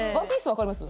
分かります？